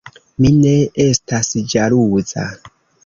Mi ne estas ĵaluza“.